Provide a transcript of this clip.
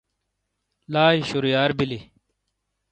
لائی شُرییار بِیلی۔